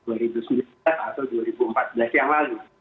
dua ribu sembilan belas atau dua ribu empat belas yang lalu